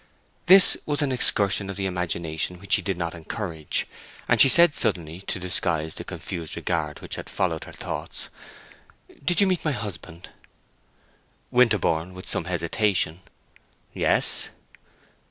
This was an excursion of the imagination which she did not encourage, and she said suddenly, to disguise the confused regard which had followed her thoughts, "Did you meet my husband?" Winterborne, with some hesitation, "Yes."